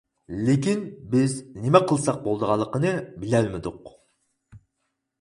لېكىن، بىز نېمە قىلساق بولىدىغانلىقىنى بىلەلمىدۇق.